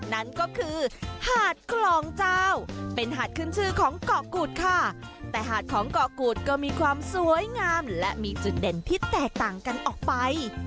นั่นก็คือหาดคลองเจ้าเป็นหาดขึ้นชื่อของเกาะกูดค่ะแต่หาดของเกาะกูดก็มีความสวยงามและมีจุดเด่นที่แตกต่างกันออกไป